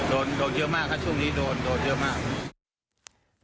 โดนเยอะมากครับช่วงนี้โดนเยอะมาก